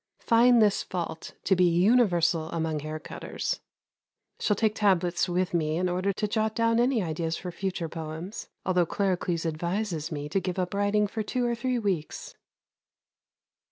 Find this fault to be universal among haircutters. Shall take tablets with me in order to jot down any ideas for future poems, although Claricles advises me to give up writing for two or three weeks.